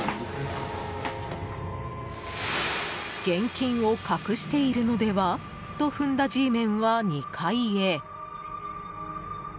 現金を隠しているのでは？と踏んだＧメンは２階へ。